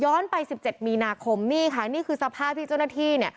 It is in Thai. ไป๑๗มีนาคมนี่ค่ะนี่คือสภาพที่เจ้าหน้าที่เนี่ย